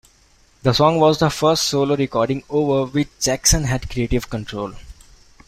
The song was the first solo recording over which Jackson had creative control.